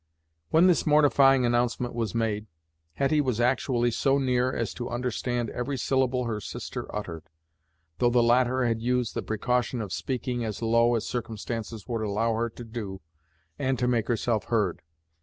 When this mortifying announcement was made, Hetty was actually so near as to understand every syllable her sister uttered, though the latter had used the precaution of speaking as low as circumstances would allow her to do, and to make herself heard.